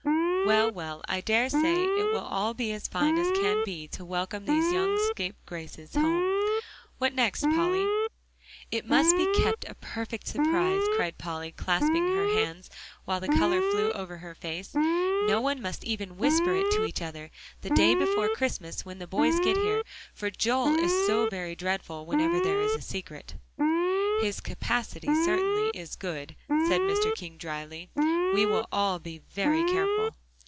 "Well, well, I dare say it will all be as fine as can be to welcome these young scapegraces home. What next, Polly?" "It must be kept a perfect surprise," cried Polly, clasping her hands while the color flew over her face. "No one must even whisper it to each other, the day before Christmas when the boys get here, for Joel is so very dreadful whenever there is a secret." "His capacity certainly is good," said Mr. King dryly. "We will all be very careful."